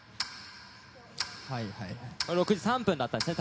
６時３分だったんですね。